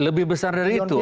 lebih besar dari itu